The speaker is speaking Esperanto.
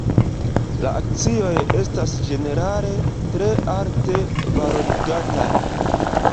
La akcioj estas ĝenerale tre alte valorigataj.